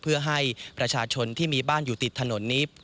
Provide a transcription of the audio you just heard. เพื่อให้ประชาชนที่มีบ้านอยู่ติดถนนนี้